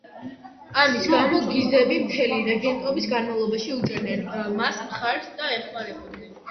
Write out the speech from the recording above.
ამის გამო, გიზები მთელი რეგენტობის განმავლობაში უჭერდნენ მას მხარს და ეხმარებოდნენ.